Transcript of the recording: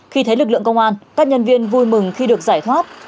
khi thấy lực lượng công an các nhân viên vui mừng khi được giải thoát